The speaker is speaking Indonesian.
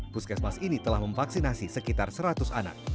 puskesmas ini telah memvaksinasi sekitar seratus anak